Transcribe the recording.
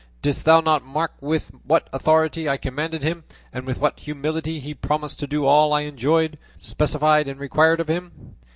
Didst thou not mark with what authority I commanded him, and with what humility he promised to do all I enjoined, specified, and required of him?